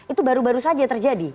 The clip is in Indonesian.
itu baru baru saja terjadi